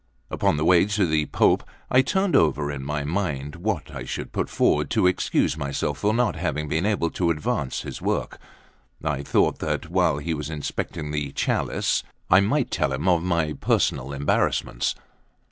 Upon the way to the Pope, I turned over in my mind what I should put forward to excuse myself for not having been able to advance his work. I thought that while he was inspecting the chalice, I might tell him of my personal embarrassments.